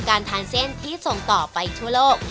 การทานเส้นที่ส่งต่อไปทั่วโลก